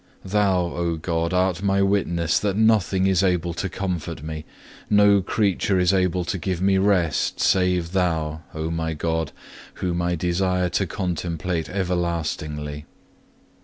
Thou, O God, art my witness that nothing is able to comfort me, no creature is able to give me rest, save Thou, O my God, whom I desire to contemplate everlastingly.